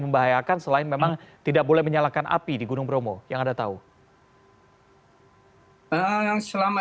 membahayakan selain memang tidak boleh menyalakan api di gunung bromo yang ada tahu yang selama